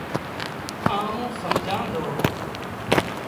آئوٚݩ سمجھآݩ دو۔